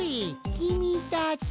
きみたち。